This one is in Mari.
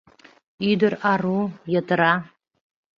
Ӱдыр ару, йытыра.